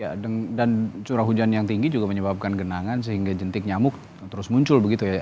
ya dan curah hujan yang tinggi juga menyebabkan genangan sehingga jentik nyamuk terus muncul begitu ya